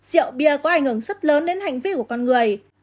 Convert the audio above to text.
rượu bia có ảnh hưởng rất lớn đến hành vi của con người